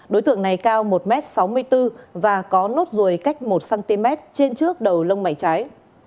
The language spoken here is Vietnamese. đối tượng này cao một m sáu mươi bốn và có nốt ruồi cách một cm trên trước đầu lông mảy trái